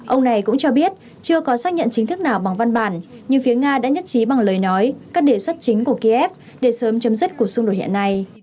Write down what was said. ông này cũng cho biết chưa có xác nhận chính thức nào bằng văn bản nhưng phía nga đã nhất trí bằng lời nói các đề xuất chính của kiev để sớm chấm dứt cuộc xung đột hiện nay